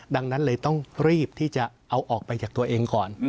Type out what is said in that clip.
ดังนั้นเลยต้องรีบที่จะเอาออกไปจากตัวเองก่อน